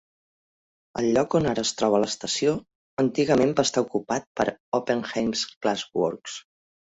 Ell lloc on ara es troba l'estació antigament va estar ocupat per Oppenheims Glassworks.